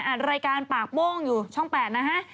อ่านรายการป่าโป้งอยู่ช่องแปดนะฮะ